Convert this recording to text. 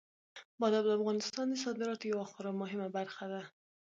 بادام د افغانستان د صادراتو یوه خورا مهمه برخه ده.